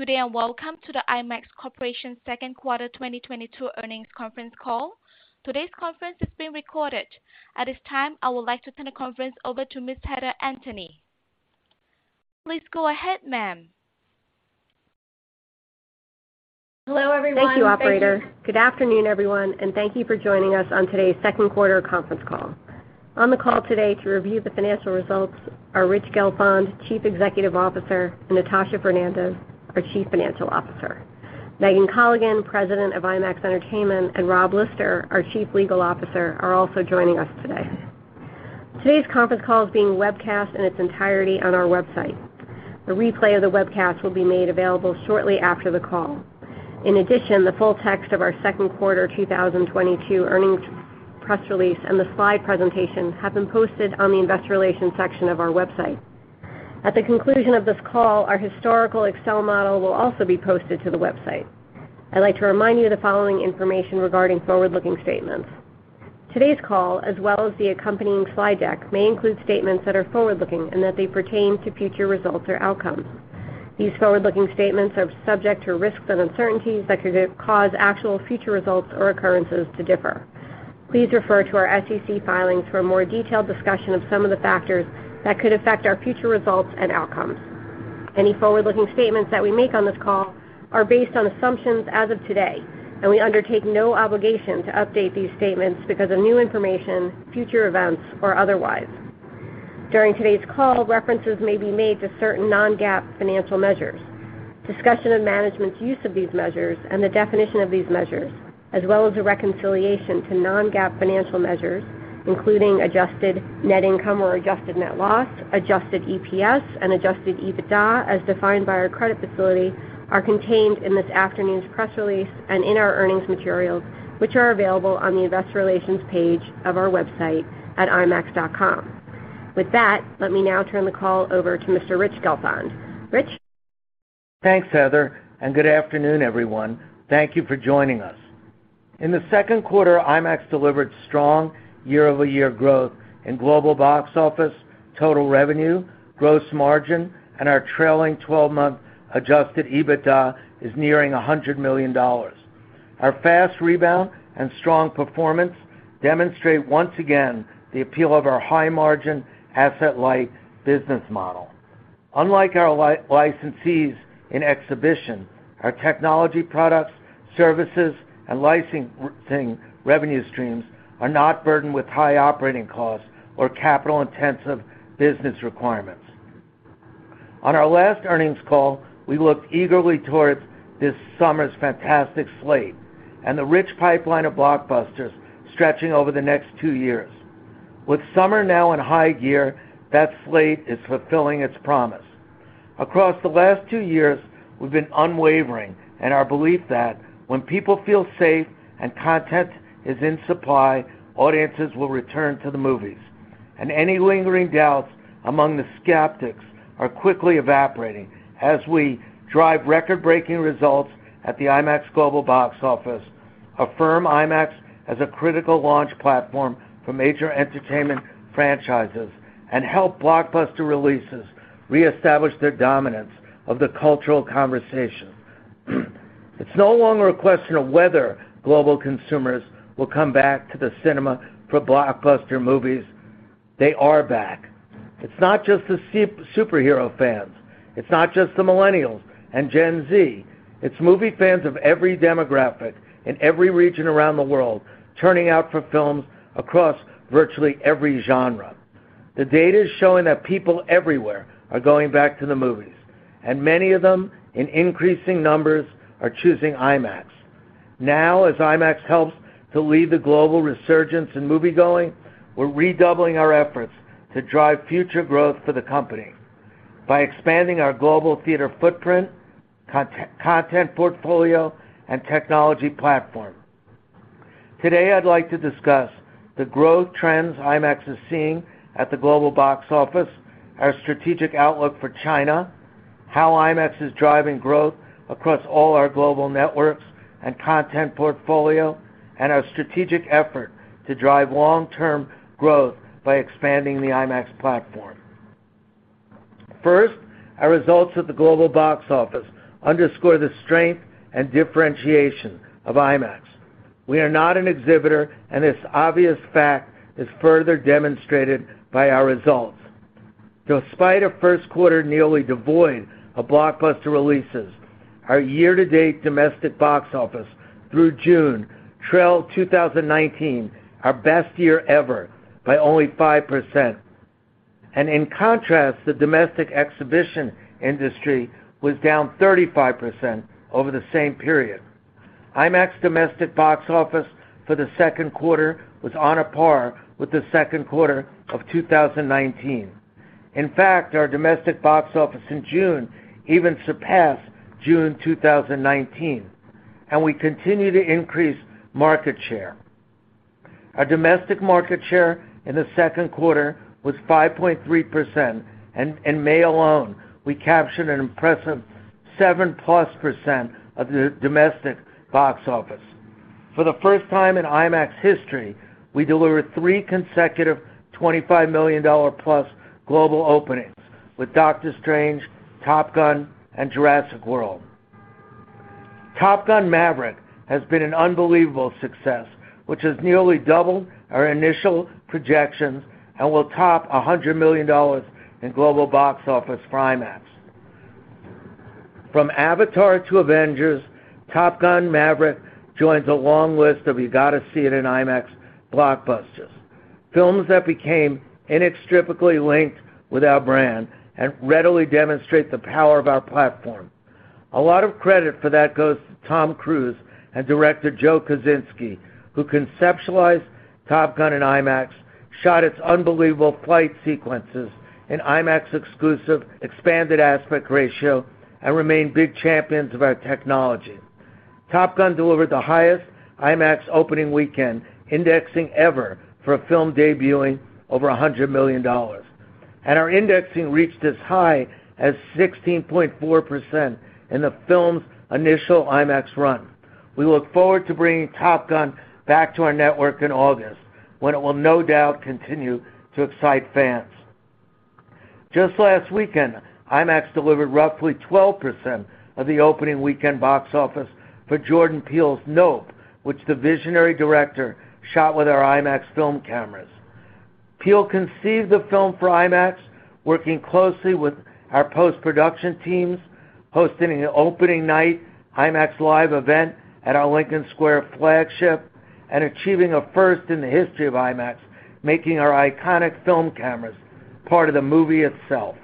Good day and welcome to the IMAX Corporation Second Quarter 2022 earnings conference call. Today's conference is being recorded. At this time, I would like to turn the conference over to Ms. Heather Anthony. Please go ahead, ma'am. Hello, everyone. Thank you, operator. Good afternoon, everyone, and thank you for joining us on today's second quarter conference call. On the call today to review the financial results are Richard Gelfond, Chief Executive Officer, and Natasha Fernandes, our Chief Financial Officer. Megan Colligan, President of IMAX Entertainment, and Robert Lister, our Chief Legal Officer, are also joining us today. Today's conference call is being webcast in its entirety on our website. A replay of the webcast will be made available shortly after the call. In addition, the full text of our second quarter 2022 earnings press release and the slide presentation have been posted on the investor relations section of our website. At the conclusion of this call, our historical Excel model will also be posted to the website. I'd like to remind you of the following information regarding forward-looking statements. Today's call, as well as the accompanying slide deck, may include statements that are forward-looking and that they pertain to future results or outcomes. These forward-looking statements are subject to risks and uncertainties that could cause actual future results or occurrences to differ. Please refer to our SEC filings for a more detailed discussion of some of the factors that could affect our future results and outcomes. Any forward-looking statements that we make on this call are based on assumptions as of today, and we undertake no obligation to update these statements because of new information, future events or otherwise. During today's call, references may be made to certain non-GAAP financial measures. Discussion of management's use of these measures and the definition of these measures, as well as a reconciliation to non-GAAP financial measures, including adjusted net income or adjusted net loss, adjusted EPS and adjusted EBITDA as defined by our credit facility are contained in this afternoon's press release and in our earnings materials, which are available on the Investor Relations page of our website at imax.com. With that, let me now turn the call over to Mr. Rich Gelfond. Rich. Thanks, Heather, and good afternoon, everyone. Thank you for joining us. In the second quarter, IMAX delivered strong year-over-year growth in global box office, total revenue, gross margin, and our trailing twelve-month adjusted EBITDA is nearing $100 million. Our fast rebound and strong performance demonstrate once again the appeal of our high-margin asset-light business model. Unlike our licensees in exhibition, our technology products, services and licensing revenue streams are not burdened with high operating costs or capital-intensive business requirements. On our last earnings call, we looked eagerly towards this summer's fantastic slate and the rich pipeline of blockbusters stretching over the next two years. With summer now in high gear, that slate is fulfilling its promise. Across the last two years, we've been unwavering in our belief that when people feel safe and content is in supply, audiences will return to the movies. Any lingering doubts among the skeptics are quickly evaporating as we drive record-breaking results at the IMAX global box office, affirm IMAX as a critical launch platform for major entertainment franchises, and help blockbuster releases reestablish their dominance of the cultural conversation. It's no longer a question of whether global consumers will come back to the cinema for blockbuster movies. They are back. It's not just the superhero fans. It's not just the millennials and Gen Z. It's movie fans of every demographic in every region around the world, turning out for films across virtually every genre. The data is showing that people everywhere are going back to the movies, and many of them, in increasing numbers, are choosing IMAX. Now, as IMAX helps to lead the global resurgence in moviegoing, we're redoubling our efforts to drive future growth for the company by expanding our global theater footprint, content portfolio and technology platform. Today, I'd like to discuss the growth trends IMAX is seeing at the global box office, our strategic outlook for China, how IMAX is driving growth across all our global networks and content portfolio, and our strategic effort to drive long-term growth by expanding the IMAX platform. First, our results at the global box office underscore the strength and differentiation of IMAX. We are not an exhibitor, and this obvious fact is further demonstrated by our results. Despite a first quarter nearly devoid of blockbuster releases, our year-to-date domestic box office through June trailed 2019, our best year ever, by only 5%. In contrast, the domestic exhibition industry was down 35% over the same period. IMAX domestic box office for the second quarter was on a par with the second quarter of 2019. In fact, our domestic box office in June even surpassed June 2019, and we continue to increase market share. Our domestic market share in the second quarter was 5.3%, and in May alone, we captured an impressive 7%+ of the domestic box office. For the first time in IMAX history, we delivered three consecutive $25 million+ global openings with Doctor Strange, Top Gun, and Jurassic World. Top Gun: Maverick has been an unbelievable success, which has nearly doubled our initial projections and will top $100 million in global box office for IMAX. From Avatar to Avengers, Top Gun: Maverick joins a long list of you-gotta-see-it in IMAX blockbusters, films that became inextricably linked with our brand and readily demonstrate the power of our platform. A lot of credit for that goes to Tom Cruise and director Joseph Kosinski, who conceptualized Top Gun: Maverick in IMAX, shot its unbelievable flight sequences in IMAX-exclusive expanded aspect ratio, and remain big champions of our technology. Top Gun: Maverick delivered the highest IMAX opening weekend indexing ever for a film debuting over $100 million, and our indexing reached as high as 16.4% in the film's initial IMAX run. We look forward to bringing Top Gun: Maverick back to our network in August, when it will no doubt continue to excite fans. Just last weekend, IMAX delivered roughly 12% of the opening weekend box office for Jordan Peele's Nope, which the visionary director shot with our IMAX film cameras. Peele conceived the film for IMAX, working closely with our post-production teams, hosting an opening night IMAX live event at our Lincoln Square flagship and achieving a first in the history of IMAX, making our iconic film cameras part of the movie itself.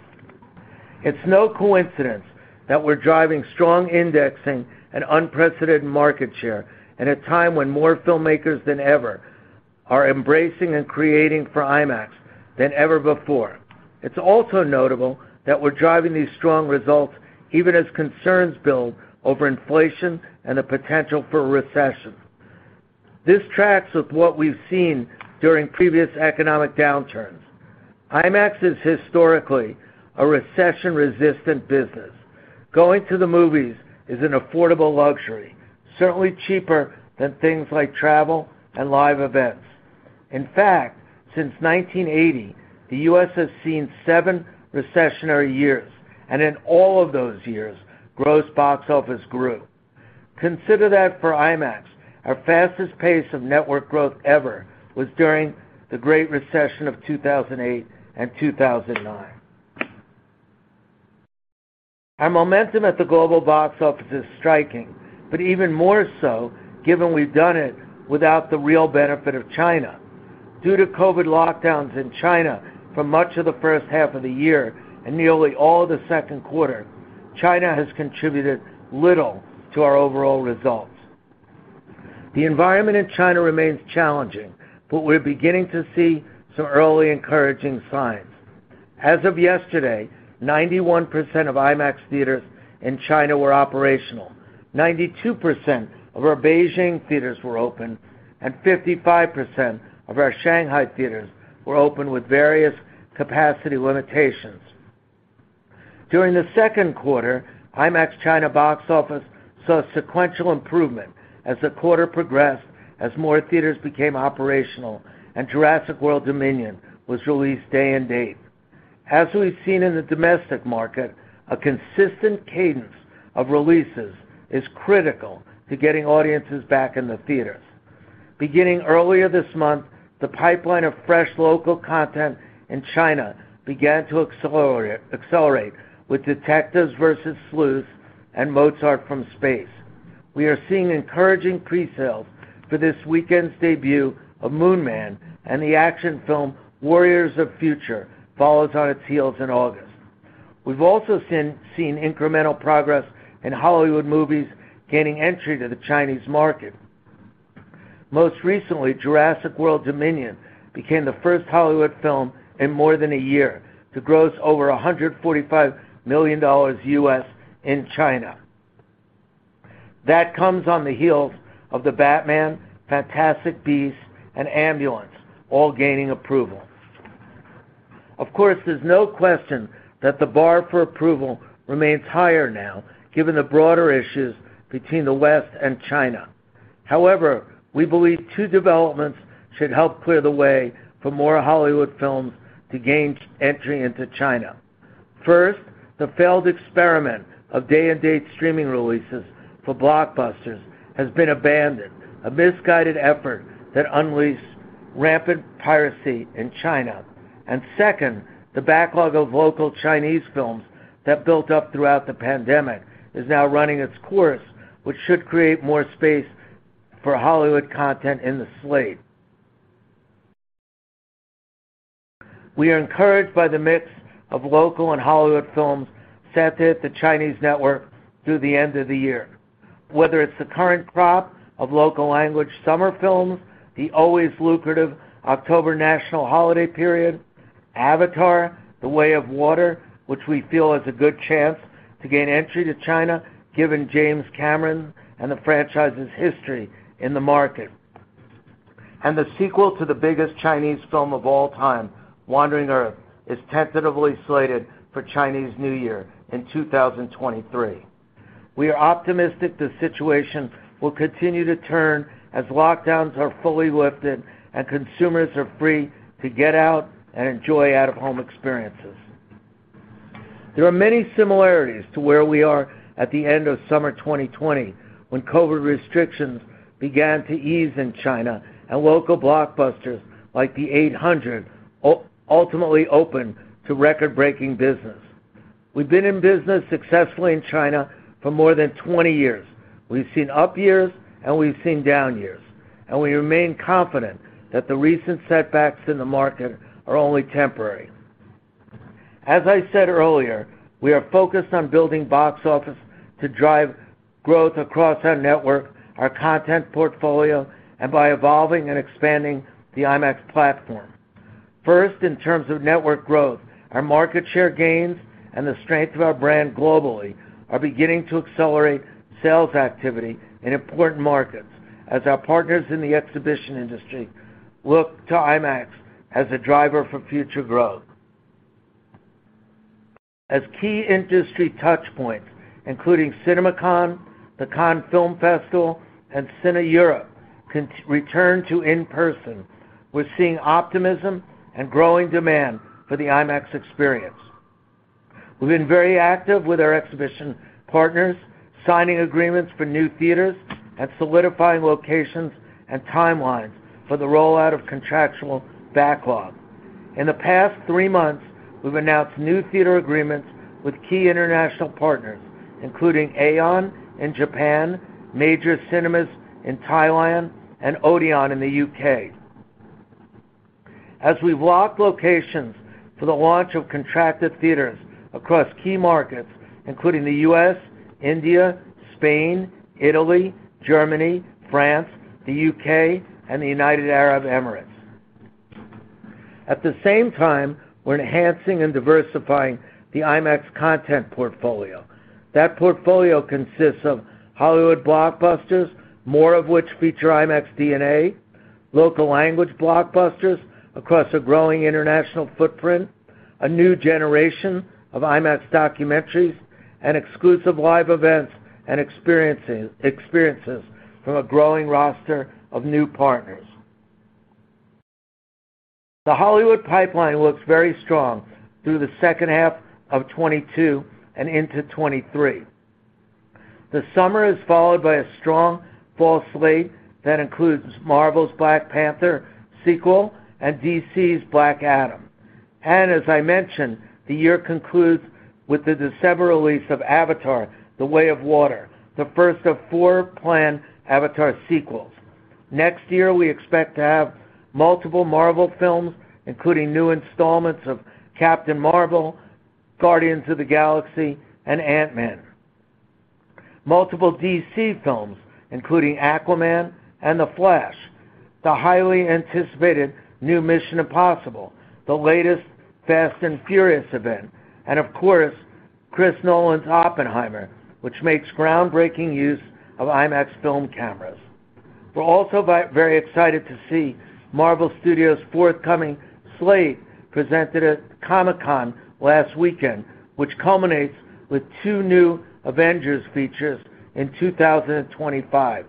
It's no coincidence that we're driving strong indexing and unprecedented market share in a time when more filmmakers than ever are embracing and creating for IMAX than ever before. It's also notable that we're driving these strong results even as concerns build over inflation and the potential for a recession. This tracks with what we've seen during previous economic downturns. IMAX is historically a recession-resistant business. Going to the movies is an affordable luxury, certainly cheaper than things like travel and live events. In fact, since 1980, the U.S. has seen seven recessionary years, and in all of those years, gross box office grew. Consider that for IMAX, our fastest pace of network growth ever was during the Great Recession of 2008 and 2009. Our momentum at the global box office is striking, but even more so given we've done it without the real benefit of China. Due to COVID lockdowns in China for much of the first half of the year and nearly all of the second quarter, China has contributed little to our overall results. The environment in China remains challenging, but we're beginning to see some early encouraging signs. As of yesterday, 91% of IMAX theaters in China were operational. 92% of our Beijing theaters were open, and 55% of our Shanghai theaters were open with various capacity limitations. During the second quarter, IMAX China box office saw sequential improvement as the quarter progressed, as more theaters became operational and Jurassic World Dominion was released day and date. As we've seen in the domestic market, a consistent cadence of releases is critical to getting audiences back in the theaters. Beginning earlier this month, the pipeline of fresh local content in China began to accelerate with Detective vs Sleuths and Mozart from Space. We are seeing encouraging presales for this weekend's debut of Moon Man and the action film Warriors of Future follows on its heels in August. We've also seen incremental progress in Hollywood movies gaining entry to the Chinese market. Most recently, Jurassic World Dominion became the first Hollywood film in more than a year to gross over $145 million in China. That comes on the heels of The Batman, Fantastic Beasts, and Ambulance all gaining approval. Of course, there's no question that the bar for approval remains higher now, given the broader issues between the West and China. However, we believe two developments should help clear the way for more Hollywood films to gain entry into China. First, the failed experiment of day-and-date streaming releases for blockbusters has been abandoned, a misguided effort that unleashed rampant piracy in China. Second, the backlog of local Chinese films that built up throughout the pandemic is now running its course, which should create more space for Hollywood content in the slate. We are encouraged by the mix of local and Hollywood films set to hit the Chinese network through the end of the year. Whether it's the current crop of local language summer films, the always lucrative October national holiday period, Avatar: The Way of Water, which we feel has a good chance to gain entry to China, given James Cameron and the franchise's history in the market. The sequel to the biggest Chinese film of all time, The Wandering Earth, is tentatively slated for Chinese New Year in 2023. We are optimistic the situation will continue to turn as lockdowns are fully lifted, and consumers are free to get out and enjoy out-of-home experiences. There are many similarities to where we are at the end of summer 2020 when COVID restrictions began to ease in China and local blockbusters like The Eight Hundred ultimately opened to record-breaking business. We've been in business successfully in China for more than 20 years. We've seen up years, and we've seen down years, and we remain confident that the recent setbacks in the market are only temporary. As I said earlier, we are focused on building box office to drive growth across our network, our content portfolio, and by evolving and expanding the IMAX platform. First, in terms of network growth, our market share gains and the strength of our brand globally are beginning to accelerate sales activity in important markets as our partners in the exhibition industry look to IMAX as a driver for future growth. As key industry touchpoints, including CinemaCon, the Cannes Film Festival, and CineEurope return to in-person, we're seeing optimism and growing demand for the IMAX experience. We've been very active with our exhibition partners, signing agreements for new theaters and solidifying locations and timelines for the rollout of contractual backlog. In the past three months, we've announced new theater agreements with key international partners, including Aeon in Japan, Major Cineplex in Thailand, and Odeon in the U.K. As we've locked locations for the launch of contracted theaters across key markets, including the U.S., India, Spain, Italy, Germany, France, the U.K., and the United Arab Emirates. At the same time, we're enhancing and diversifying the IMAX content portfolio. That portfolio consists of Hollywood blockbusters, more of which feature IMAX DNA, local language blockbusters across a growing international footprint, a new generation of IMAX documentaries, and exclusive live events and experiences from a growing roster of new partners. The Hollywood pipeline looks very strong through the second half of 2022 and into 2023. The summer is followed by a strong fall slate that includes Marvel's Black Panther sequel and DC's Black Adam. As I mentioned, the year concludes with the December release of Avatar: The Way of Water, the first of four planned Avatar sequels. Next year, we expect to have multiple Marvel films, including new installments of Captain Marvel, Guardians of the Galaxy, and Ant-Man. Multiple DC films, including Aquaman and The Flash, the highly anticipated new Mission: Impossible, the latest Fast & Furious event, and of course, Christopher Nolan's Oppenheimer, which makes groundbreaking use of IMAX film cameras. We're also very excited to see Marvel Studios' forthcoming slate presented at Comic-Con last weekend, which culminates with two new Avengers features in 2025.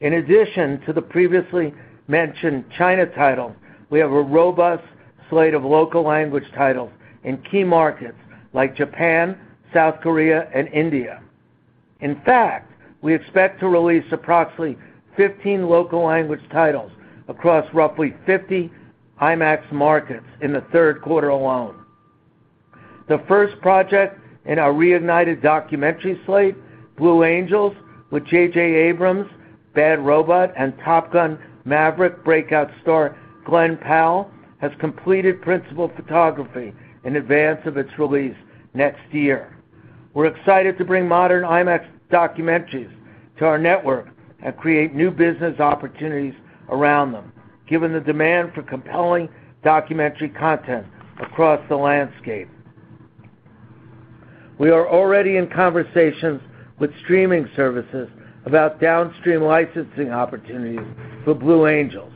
In addition to the previously mentioned China title, we have a robust slate of local language titles in key markets like Japan, South Korea, and India. In fact, we expect to release approximately 15 local language titles across roughly 50 IMAX markets in the third quarter alone. The first project in our reignited documentary slate, Blue Angels, with J.J. Abrams, Bad Robot, and Top Gun: Maverick breakout star Glen Powell, has completed principal photography in advance of its release next year. We're excited to bring modern IMAX documentaries to our network and create new business opportunities around them, given the demand for compelling documentary content across the landscape. We are already in conversations with streaming services about downstream licensing opportunities for Blue Angels.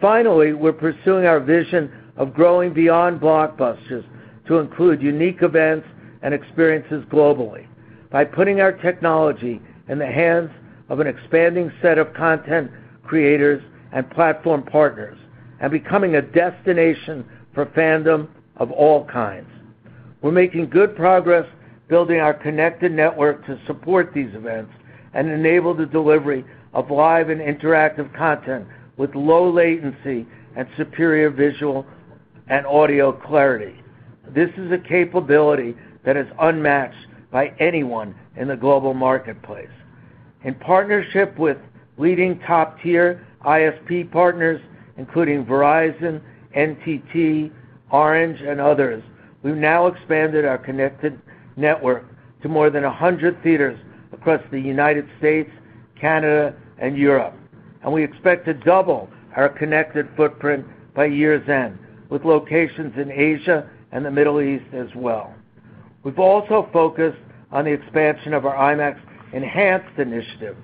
Finally, we're pursuing our vision of growing beyond blockbusters to include unique events and experiences globally by putting our technology in the hands of an expanding set of content creators and platform partners and becoming a destination for fandom of all kinds. We're making good progress building our connected network to support these events and enable the delivery of live and interactive content with low latency and superior visual and audio clarity. This is a capability that is unmatched by anyone in the global marketplace. In partnership with leading top-tier ISP partners, including Verizon, NTT, Orange, and others, we've now expanded our connected network to more than 100 theaters across the United States, Canada, and Europe. We expect to double our connected footprint by year's end, with locations in Asia and the Middle East as well. We've also focused on the expansion of our IMAX Enhanced initiative.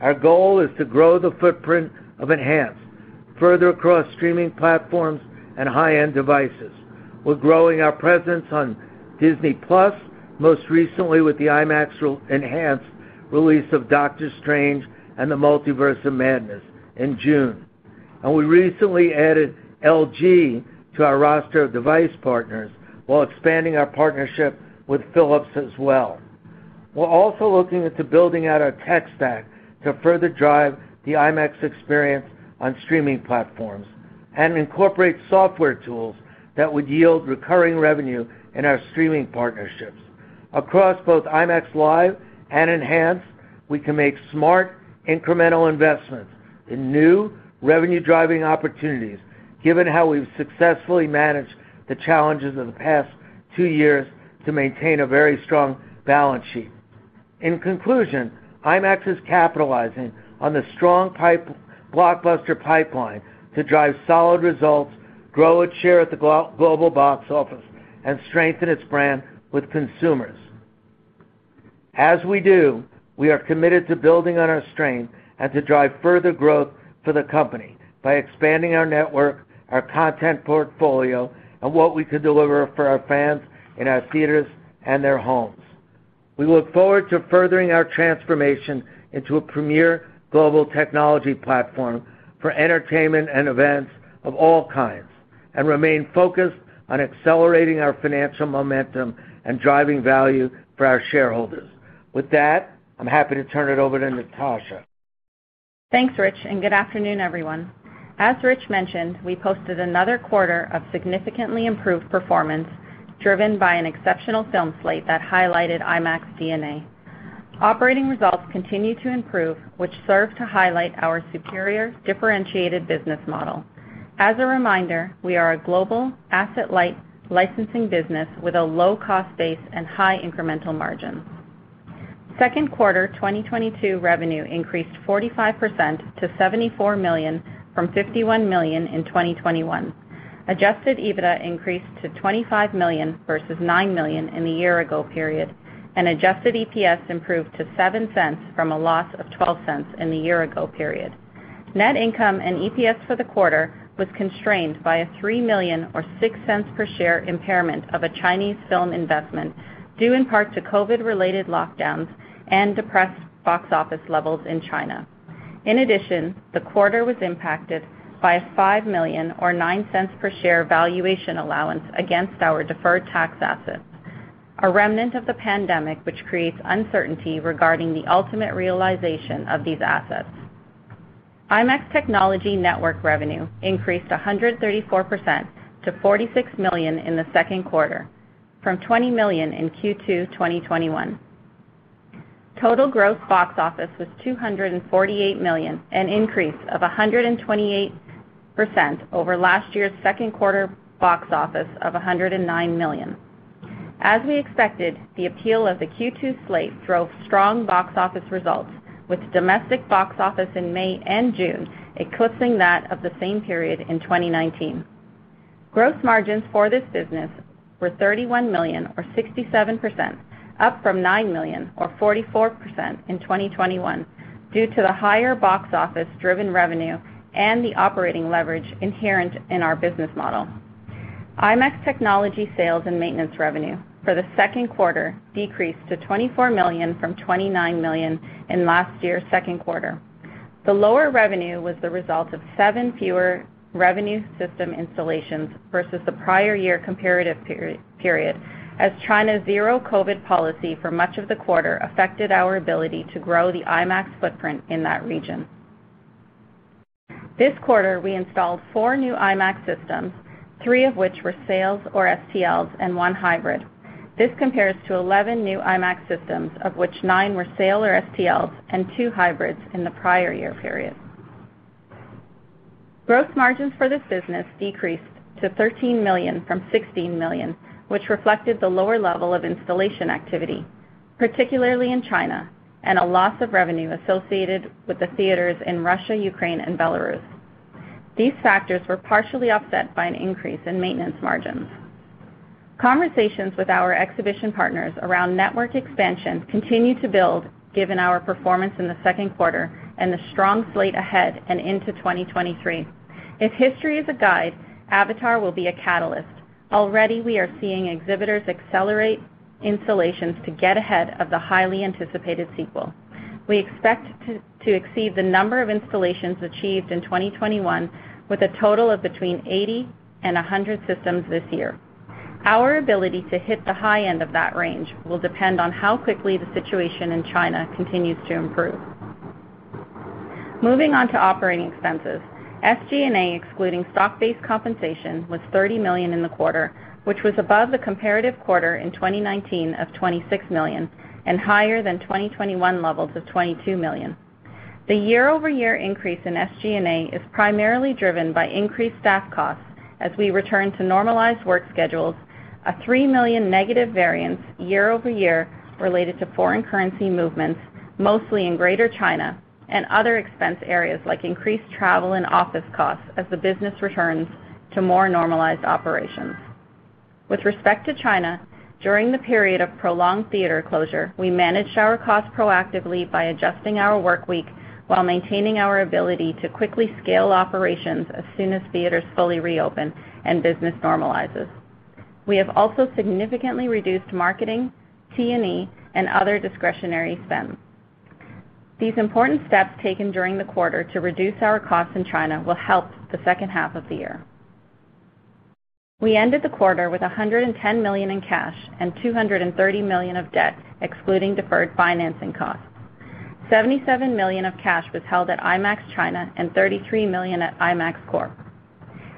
Our goal is to grow the footprint of Enhanced further across streaming platforms and high-end devices. We're growing our presence on Disney+, most recently with the IMAX Enhanced release of Doctor Strange in the Multiverse of Madness in June. We recently added LG to our roster of device partners while expanding our partnership with Philips as well. We're also looking into building out our tech stack to further drive the IMAX experience on streaming platforms and incorporate software tools that would yield recurring revenue in our streaming partnerships. Across both IMAX LIVE and IMAX Enhanced, we can make smart incremental investments in new revenue-driving opportunities, given how we've successfully managed the challenges of the past two years to maintain a very strong balance sheet. In conclusion, IMAX is capitalizing on the strong blockbuster pipeline to drive solid results, grow its share at the global box office, and strengthen its brand with consumers. As we do, we are committed to building on our strength and to drive further growth for the company by expanding our network, our content portfolio, and what we can deliver for our fans in our theaters and their homes. We look forward to furthering our transformation into a premier global technology platform for entertainment and events of all kinds and remain focused on accelerating our financial momentum and driving value for our shareholders. With that, I'm happy to turn it over to Natasha. Thanks, Rich, and good afternoon, everyone. As Rich mentioned, we posted another quarter of significantly improved performance, driven by an exceptional film slate that highlighted IMAX DNA. Operating results continue to improve, which serve to highlight our superior differentiated business model. As a reminder, we are a global asset-light licensing business with a low-cost base and high incremental margins. Second quarter 2022 revenue increased 45% to $74 million from $51 million in 2021. Adjusted EBITDA increased to $25 million versus $9 million in the year-ago period, and adjusted EPS improved to $0.07 from a loss of $0.12 in the year-ago period. Net income and EPS for the quarter was constrained by a $3 million or $0.06 per share impairment of a Chinese film investment, due in part to COVID-related lockdowns and depressed box office levels in China. In addition, the quarter was impacted by a $5 million or $0.09 per share valuation allowance against our deferred tax assets, a remnant of the pandemic which creates uncertainty regarding the ultimate realization of these assets. IMAX technology network revenue increased 134% to $46 million in the second quarter from $20 million in Q2 2021. Total gross box office was $248 million, an increase of 128% over last year's second quarter box office of $109 million. As we expected, the appeal of the Q2 slate drove strong box office results, with domestic box office in May and June eclipsing that of the same period in 2019. Gross margins for this business were $31 million or 67%, up from $9 million or 44% in 2021, due to the higher box office-driven revenue and the operating leverage inherent in our business model. IMAX technology sales and maintenance revenue for the second quarter decreased to $24 million from $29 million in last year's second quarter. The lower revenue was the result of 7 fewer revenue system installations versus the prior year comparative period, as China's zero COVID policy for much of the quarter affected our ability to grow the IMAX footprint in that region. This quarter, we installed four new IMAX systems, three of which were sales or STLs and one hybrid. This compares to 11 new IMAX systems, of which nine were sales or STLs and two hybrids in the prior year period. Gross margins for this business decreased to $13 million from $16 million, which reflected the lower level of installation activity, particularly in China, and a loss of revenue associated with the theaters in Russia, Ukraine, and Belarus. These factors were partially offset by an increase in maintenance margins. Conversations with our exhibition partners around network expansion continue to build, given our performance in the second quarter and the strong slate ahead and into 2023. If history is a guide, Avatar will be a catalyst. Already, we are seeing exhibitors accelerate installations to get ahead of the highly anticipated sequel. We expect to exceed the number of installations achieved in 2021 with a total of between 80 and 100 systems this year. Our ability to hit the high end of that range will depend on how quickly the situation in China continues to improve. Moving on to operating expenses. SG&A, excluding stock-based compensation, was $30 million in the quarter, which was above the comparative quarter in 2019 of $26 million and higher than 2021 levels of $22 million. The year-over-year increase in SG&A is primarily driven by increased staff costs as we return to normalized work schedules, a $3 million negative variance year-over-year related to foreign currency movements, mostly in Greater China and other expense areas like increased travel and office costs as the business returns to more normalized operations. With respect to China, during the period of prolonged theater closure, we managed our costs proactively by adjusting our work week while maintaining our ability to quickly scale operations as soon as theaters fully reopen and business normalizes. We have also significantly reduced marketing, T&E, and other discretionary spends. These important steps taken during the quarter to reduce our costs in China will help the second half of the year. We ended the quarter with $110 million in cash and $230 million of debt excluding deferred financing costs. $77 million of cash was held at IMAX China and $33 million at IMAX Corp.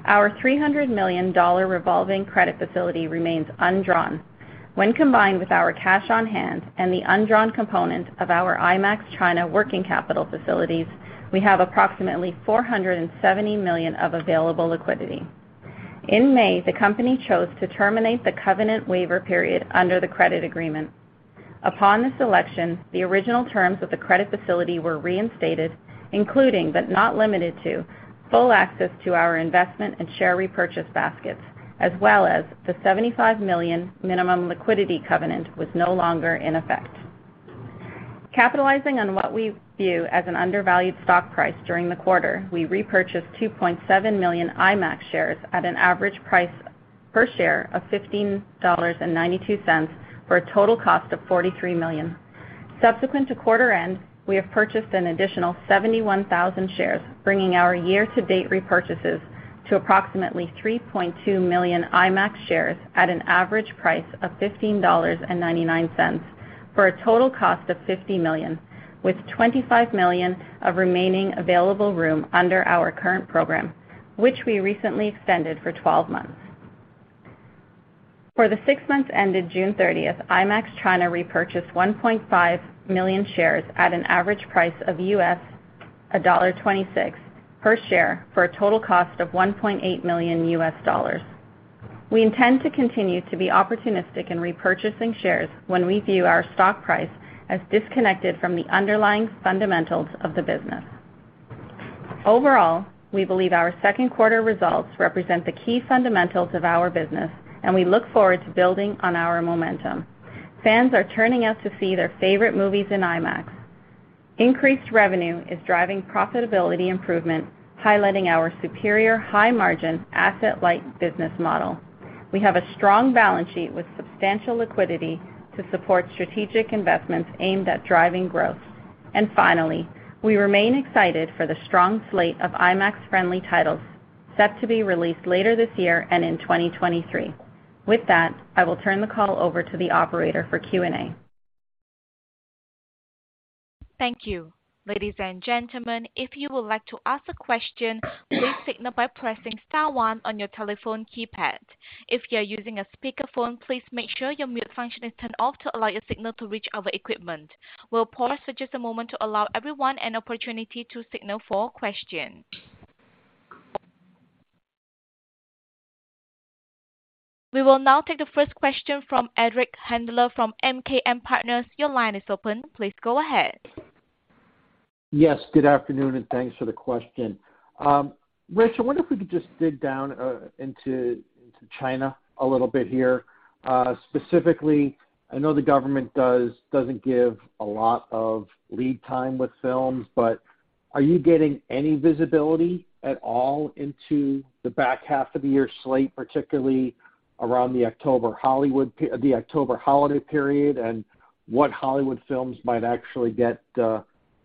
Our $300 million revolving credit facility remains undrawn. When combined with our cash on hand and the undrawn component of our IMAX China working capital facilities, we have approximately $470 million of available liquidity. In May, the company chose to terminate the covenant waiver period under the credit agreement. Upon the selection, the original terms of the credit facility were reinstated, including, but not limited to, full access to our investment and share repurchase baskets, as well as the $75 million minimum liquidity covenant was no longer in effect. Capitalizing on what we view as an undervalued stock price during the quarter, we repurchased 2.7 million IMAX shares at an average price per share of $15.92 for a total cost of $43 million. Subsequent to quarter end, we have purchased an additional 71,000 shares, bringing our year to date repurchases to approximately 3.2 million IMAX shares at an average price of $15.99 for a total cost of $50 million, with $25 million of remaining available room under our current program, which we recently extended for 12 months. For the six months ended June thirtieth, IMAX China repurchased 1.5 million shares at an average price of $26 per share for a total cost of $1.8 million. We intend to continue to be opportunistic in repurchasing shares when we view our stock price as disconnected from the underlying fundamentals of the business. Overall, we believe our second quarter results represent the key fundamentals of our business, and we look forward to building on our momentum. Fans are turning out to see their favorite movies in IMAX. Increased revenue is driving profitability improvement, highlighting our superior high margin asset-light business model. We have a strong balance sheet with substantial liquidity to support strategic investments aimed at driving growth. Finally, we remain excited for the strong slate of IMAX-friendly titles set to be released later this year and in 2023. With that, I will turn the call over to the operator for Q&A. Thank you. Ladies and gentlemen, if you would like to ask a question, please signal by pressing star one on your telephone keypad. If you are using a speakerphone, please make sure your mute function is turned off to allow your signal to reach our equipment. We'll pause for just a moment to allow everyone an opportunity to signal for questions. We will now take the first question from Eric Handler from MKM Partners. Your line is open. Please go ahead. Yes, good afternoon, and thanks for the question. Rich, I wonder if we could just dig down into China a little bit here. Specifically, I know the government doesn't give a lot of lead time with films, but are you getting any visibility at all into the back half of the year slate, particularly around the October holiday period, and what Hollywood films might actually get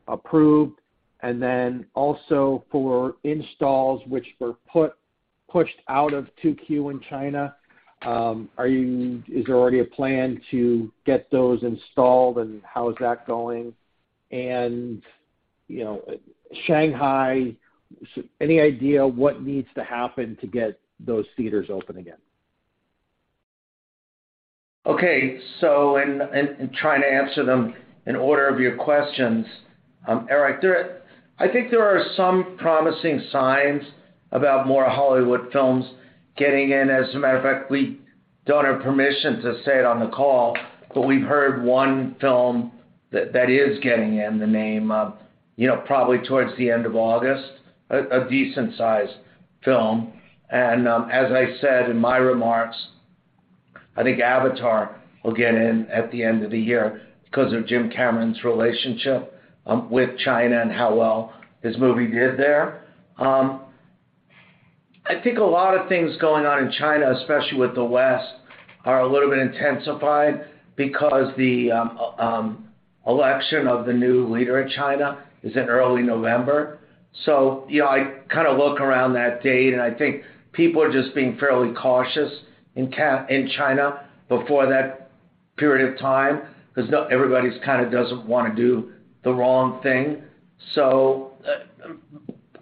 approved? Then also for installs which were pushed out of 2Q in China, is there already a plan to get those installed, and how is that going? You know, Shanghai, any idea what needs to happen to get those theaters open again? In trying to answer them in order of your questions, Eric, I think there are some promising signs about more Hollywood films getting in. As a matter of fact, we don't have permission to say it on the call, but we've heard one film that is getting in the can, you know, probably towards the end of August, a decent-sized film. As I said in my remarks, I think Avatar will get in at the end of the year because of James Cameron's relationship with China and how well his movie did there. I think a lot of things going on in China, especially with the West, are a little bit intensified because the election of the new leader in China is in early November. You know, I kinda look around that date, and I think people are just being fairly cautious in China before that period of time because everybody's kinda doesn't wanna do the wrong thing.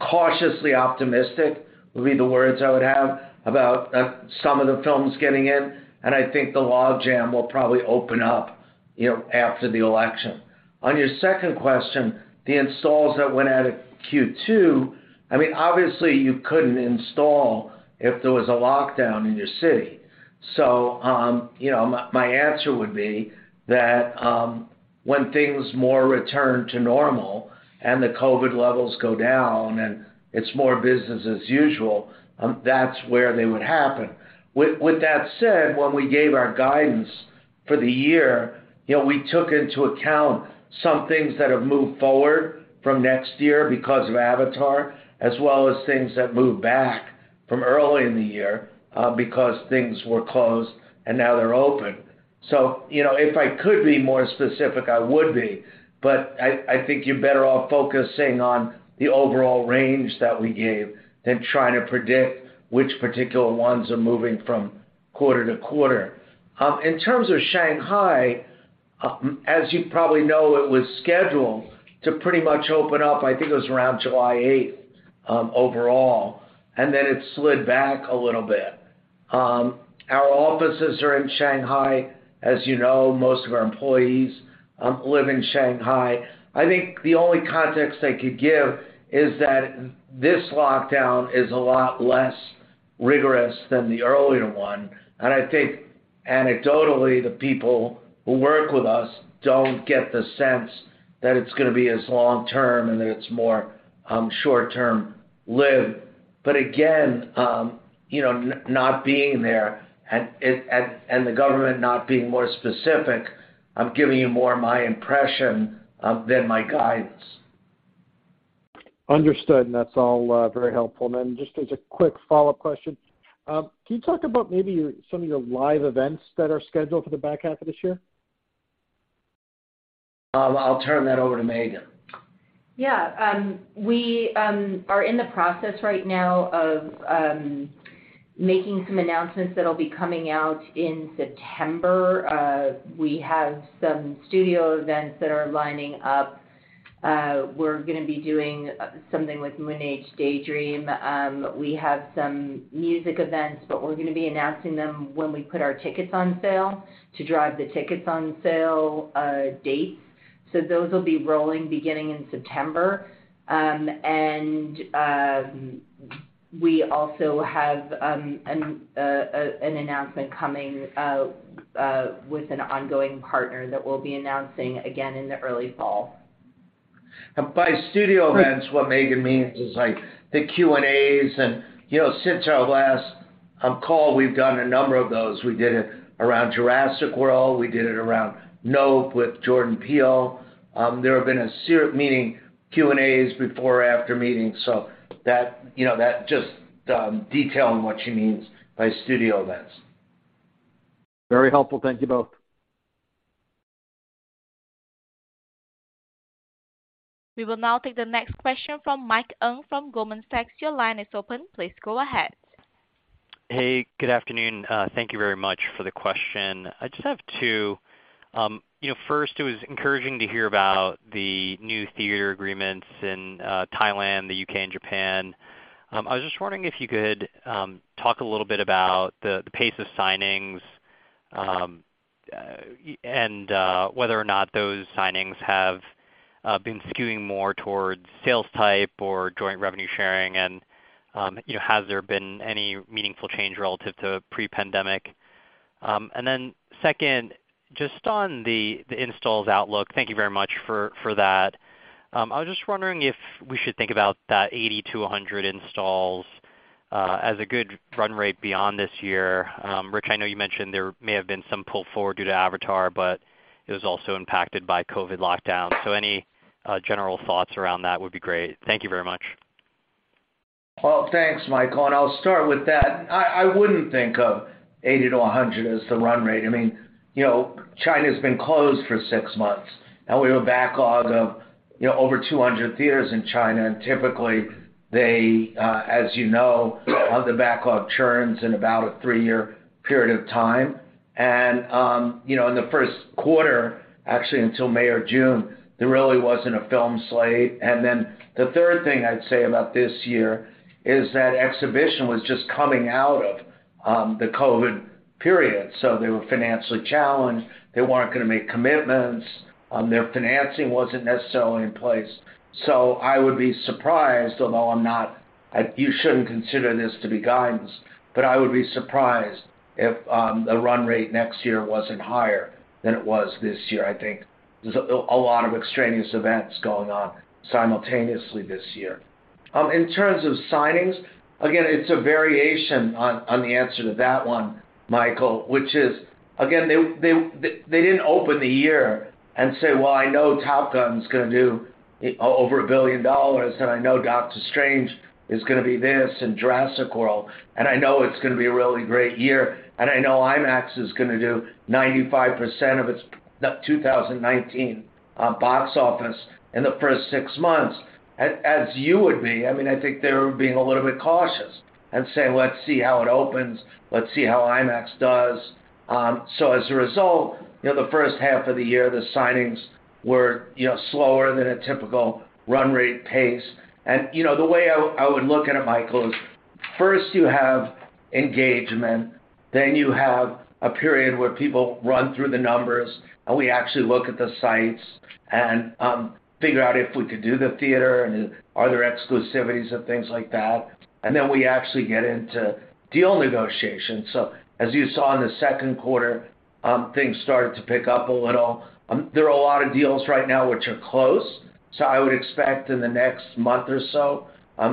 Cautiously optimistic would be the words I would have about some of the films getting in, and I think the logjam will probably open up, you know, after the election. On your second question, the installs that went out of Q2, I mean, obviously you couldn't install if there was a lockdown in your city. You know, my answer would be that. When things more return to normal and the COVID levels go down and it's more business as usual, that's where they would happen. With that said, when we gave our guidance for the year, you know, we took into account some things that have moved forward from next year because of Avatar, as well as things that moved back from early in the year, because things were closed and now, they're open. You know, if I could be more specific, I would be, but I think you're better off focusing on the overall range that we gave than trying to predict which particular ones are moving from quarter to quarter. In terms of Shanghai, as you probably know, it was scheduled to pretty much open up, I think it was around July 8, overall, and then it slid back a little bit. Our offices are in Shanghai. As you know, most of our employees live in Shanghai. I think the only context I could give is that this lockdown is a lot less rigorous than the earlier one. I think anecdotally, the people who work with us don't get the sense that it's gonna be as long term and that it's more short term lived. But again, you know, not being there and the government not being more specific, I'm giving you more my impression than my guidance. Understood, and that's all, very helpful. Just as a quick follow-up question, can you talk about maybe your, some of your live events that are scheduled for the back half of this year? I'll turn that over to Megan. Yeah, we are in the process right now of making some announcements that'll be coming out in September. We have some studio events that are lining up. We're gonna be doing something with Moonage Daydream. We have some music events, but we're gonna be announcing them when we put our tickets on sale to drive the tickets on sale dates. Those will be rolling beginning in September. We also have an announcement coming with an ongoing partner that we'll be announcing again in the early fall. By studio events, what Megan means is like the Q&As and, you know, since our last call, we've done a number of those. We did it around Jurassic World. We did it around Nope with Jordan Peele. There have been a series of meeting Q&As before or after meetings, so that, you know, that just detailing what she means by studio events. Very helpful. Thank you both. We will now take the next question from Michael Ng from Goldman Sachs. Your line is open. Please go ahead. Hey, good afternoon. Thank you very much for the question. I just have two. You know, first, it was encouraging to hear about the new theater agreements in Thailand, the U.K., and Japan. I was just wondering if you could talk a little bit about the pace of signings and whether or not those signings have been skewing more towards sales-type or joint revenue sharing and you know, has there been any meaningful change relative to pre-pandemic. Second, just on the installs outlook, thank you very much for that. I was just wondering if we should think about that 80-100 installs as a good run rate beyond this year. Rich, I know you mentioned there may have been some pull forward due to Avatar, but it was also impacted by COVID lockdown. Any general thoughts around that would be great. Thank you very much. Well, thanks, Michael, and I'll start with that. I wouldn't think of 80-100 as the run rate. I mean, you know, China's been closed for six months, and we have a backlog of, you know, over 200 theaters in China. Typically, they, as you know, the backlog churns in about a three-year period of time. You know, in the first quarter, actually until May or June, there really wasn't a film slate. Then the third thing I'd say about this year is that exhibition was just coming out of the COVID period, so they were financially challenged. They weren't gonna make commitments. Their financing wasn't necessarily in place. I would be surprised, although I'm not, you shouldn't consider this to be guidance, but I would be surprised if the run rate next year wasn't higher than it was this year. I think there's a lot of extraneous events going on simultaneously this year. In terms of signings, again, it's a variation on the answer to that one, Michael, which is, again, they didn't open the year and say, "Well, I know Top Gun is gonna do over $1 billion, and I know Doctor Strange is gonna be this and Jurassic World, and I know it's gonna be a really great year, and I know IMAX is gonna do 95% of its 2019 box office in the first six months," as you would be. I mean, I think they're being a little bit cautious and say, "Let's see how it opens. Let's see how IMAX does." As a result, you know, the first half of the year, the signings were, you know, slower than a typical run rate pace. You know, the way I would look at it, Michael, is first you have engagement, then you have a period where people run through the numbers and we actually look at the sites and figure out if we could do the theater and are there exclusivities and things like that. Then we actually get into deal negotiations. As you saw in the second quarter, things started to pick up a little. There are a lot of deals right now which are close. I would expect in the next month or so,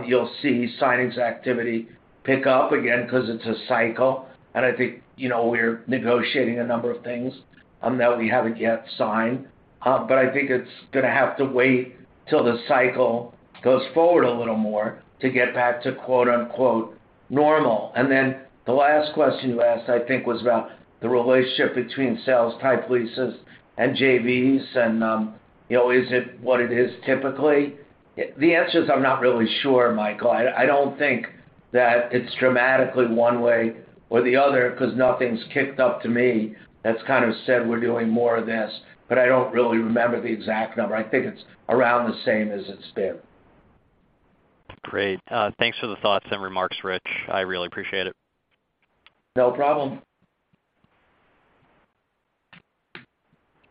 you'll see signings activity pick up again because it's a cycle. I think, you know, we're negotiating a number of things that we haven't yet signed. I think it's gonna have to wait till the cycle goes forward a little more to get back to quote-unquote, normal. The last question you asked, I think, was about the relationship between sales-type leases and JVs and, you know, is it what it is typically. The answer is I'm not really sure, Michael. I don't think that it's dramatically one way or the other because nothing's kicked up to me that's kind of said we're doing more of this, but I don't really remember the exact number. I think it's around the same as it's been. Great. Thanks for the thoughts and remarks, Rich. I really appreciate it. No problem.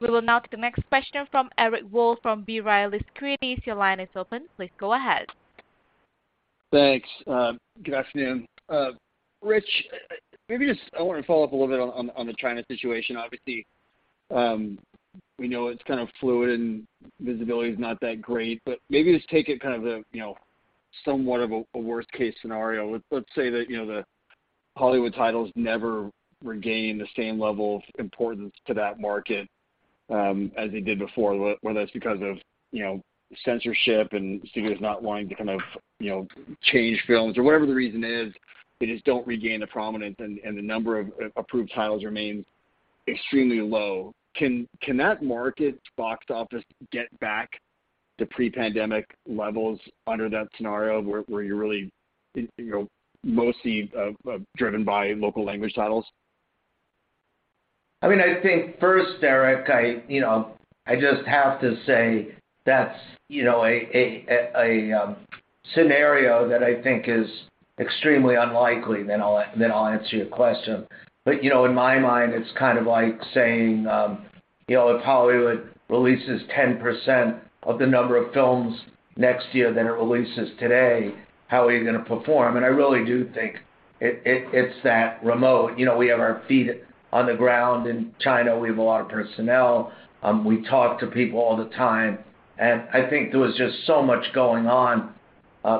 We will now take the next question from Eric Wold from B. Riley Securities. Your line is open. Please go ahead. Thanks. Good afternoon. Rich, I want to follow up a little bit on the China situation. Obviously, we know it's kind of fluid and visibility is not that great, but maybe just take it kind of a you know somewhat of a worst-case scenario. Let's say that you know the Hollywood titles never regain the same level of importance to that market as they did before, whether it's because of you know censorship and studios not wanting to kind of you know change films or whatever the reason is, they just don't regain the prominence and the number of approved titles remains extremely low. Can that market box office gets back to pre-pandemic levels under that scenario where you're really you know mostly driven by local language titles? I mean, I think first, Eric, you know, I just have to say that's, you know, a scenario that I think is extremely unlikely, then I'll answer your question. But, you know, in my mind, it's kind of like saying, you know, if Hollywood releases 10% of the number of films next year than it releases today, how are you gonna perform? I really do think it's that remote. You know, we have our feet on the ground in China. We have a lot of personnel. We talk to people all the time. I think there was just so much going on,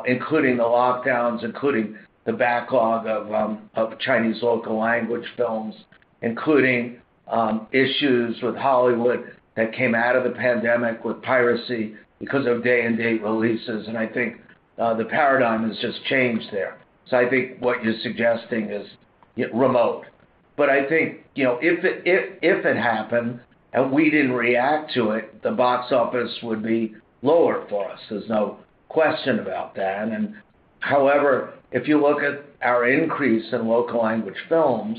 including the lockdowns, including the backlog of Chinese local language films, including issues with Hollywood that came out of the pandemic with piracy because of day-and-date releases. I think the paradigm has just changed there. I think what you're suggesting is remote. I think, you know, if it happened and we didn't react to it, the box office would be lower for us. There's no question about that. However, if you look at our increase in local language films,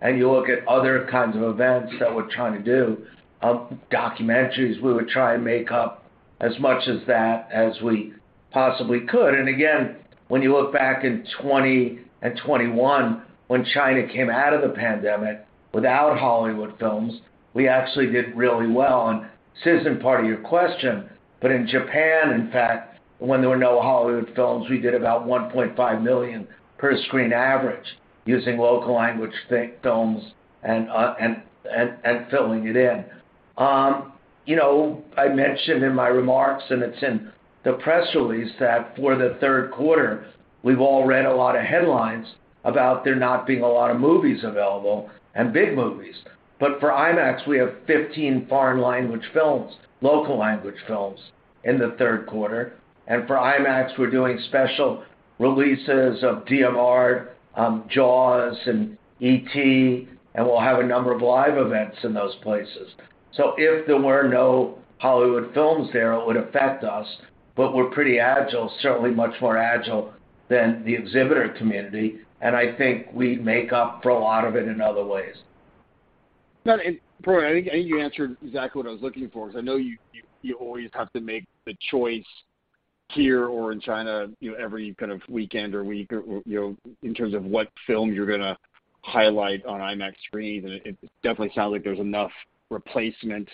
and you look at other kinds of events that we're trying to do, documentaries, we will try and make up as much as that as we possibly could. Again, when you look back in 2020 and 2021, when China came out of the pandemic without Hollywood films, we actually did really well. This isn't part of your question, but in Japan, in fact, when there were no Hollywood films, we did about $1.5 million per screen average using local language slate films and filling it in. You know, I mentioned in my remarks, and it's in the press release, that for the third quarter, we've all read a lot of headlines about there not being a lot of movies available and big movies. For IMAX, we have 15 foreign language films, local language films in the third quarter. For IMAX, we're doing special releases of DMR Jaws and E.T., and we'll have a number of live events in those places. If there were no Hollywood films there, it would affect us, but we're pretty agile, certainly much more agile than the exhibitor community. I think we make up for a lot of it in other ways. No, probably, I think you answered exactly what I was looking for, because I know you always have to make the choice here or in China, you know, every kind of weekend or week or, you know, in terms of what film you're gonna highlight on IMAX screens. It definitely sounds like there's enough replacement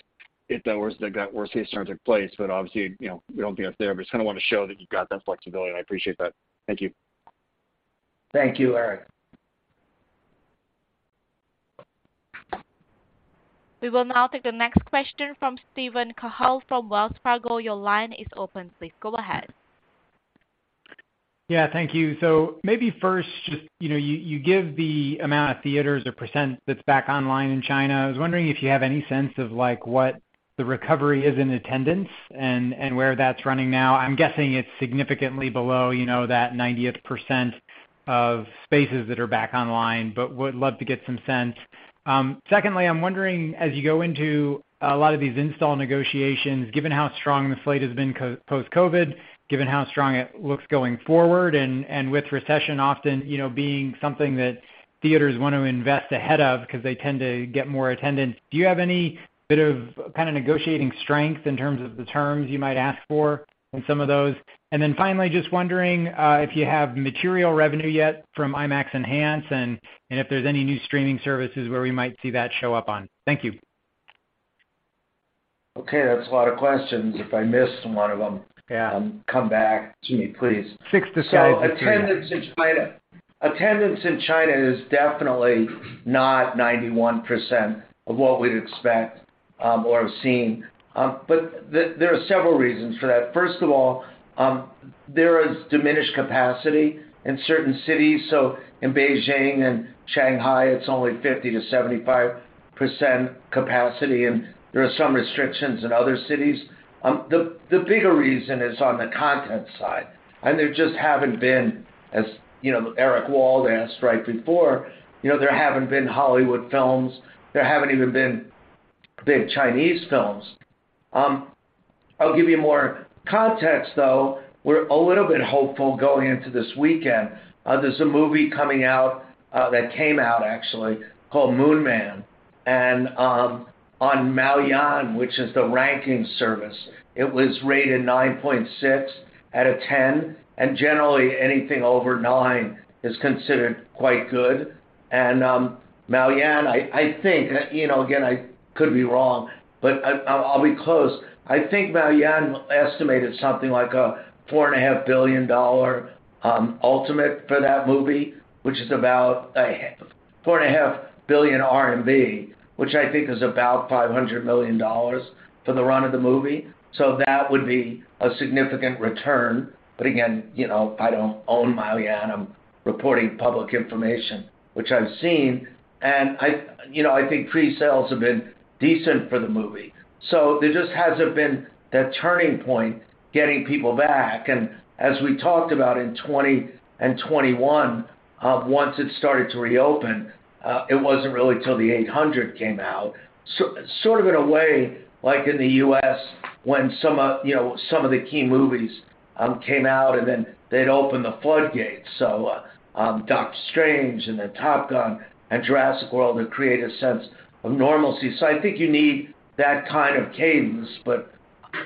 if that was the worst-case scenario took place. Obviously, you know, we don't think that's the case, but just kind of want to show that you've got that flexibility, and I appreciate that. Thank you. Thank you, Eric. We will now take the next question from Steven Cahall from Wells Fargo. Your line is open. Please go ahead. Yeah, thank you. Maybe first, you know, you give the amount of theaters or percent that's back online in China. I was wondering if you have any sense of like what the recovery is in attendance and where that's running now. I'm guessing it's significantly below, you know, that 90th % of spaces that are back online, but would love to get some sense. Second, I'm wondering, as you go into a lot of these install negotiations, given how strong the slate has been post-COVID, given how strong it looks going forward and with recession often, you know, being something that theaters want to invest ahead of because they tend to get more attendance. Do you have any bit of kind of negotiating strength in terms of the terms you might ask for in some of those? Finally, just wondering if you have material revenue yet from IMAX Enhanced and if there's any new streaming services where we might see that show up on? Thank you. Okay, that's a lot of questions. If I missed one of them. Yeah Come back to me, please. 6 to 7 Attendance in China is definitely not 91% of what we'd expect, or have seen. There are several reasons for that. First of all, there is diminished capacity in certain cities. In Beijing and Shanghai, it's only 50%-75% capacity, and there are some restrictions in other cities. The bigger reason is on the content side. There just haven't been, as Eric Wold asked right before, there haven't been Hollywood films. There haven't even been big Chinese films. I'll give you more context, though. We're a little bit hopeful going into this weekend. There's a movie coming out that came out actually called Moon Man. On Maoyan, which is the ranking service, it was rated 9.6 out of 10, and generally anything over nine is considered quite good. Maoyan, I think, you know, again, I could be wrong, but I'll be close. I think Maoyan estimated something like $4 and a half billion ultimates for that movie, which is about 4 and a half billion, which I think is about $500 million for the run of the movie. That would be a significant return. Again, you know, I don't own Maoyan. I'm reporting public information, which I've seen. You know, I think presales have been decent for the movie. There just hasn't been that turning point getting people back. As we talked about in 2020 and 2021, once it started to reopen, it wasn't really till The Eight Hundred came out. Sort of in a way, like in the U.S. when some of, you know, some of the key movies came out, and then they'd open the floodgates. Doctor Strange and then Top Gun and Jurassic World that create a sense of normalcy. I think you need that kind of cadence.